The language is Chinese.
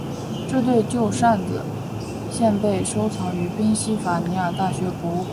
这对旧扇子现被收藏于宾夕法尼亚大学博物馆内。